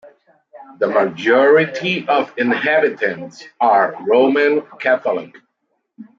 The majority of the inhabitants are Roman Catholic.